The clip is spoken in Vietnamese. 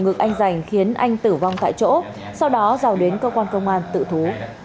ngực anh giành khiến anh tử vong tại chỗ sau đó giàu đến cơ quan công an tự thú